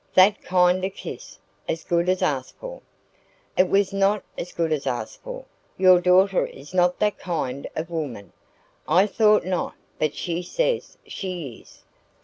"THAT kind of kiss! as good as asked for." "It was not as good as asked for. Your daughter is not that kind of woman." "I thought not, but she says she is."